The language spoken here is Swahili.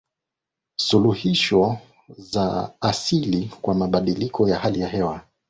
suluhisho za asili kwa mabadiliko ya hali ya hewa